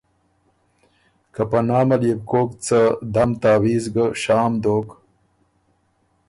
که په نامه ليې بو کوک څه دم تعویز ګه شام دوک